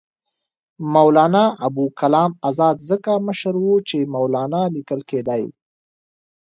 مولنا ابوالکلام آزاد ځکه مشر وو چې مولنا لیکل کېدی.